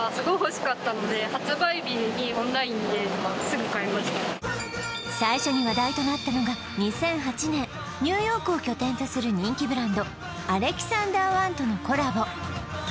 ２つ目は最初に話題となったのが２００８年ニューヨークを拠点とする人気ブランドアレキサンダーワンとのコラボ